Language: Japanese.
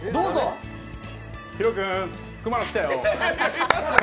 ヒロ君、熊野来たよ。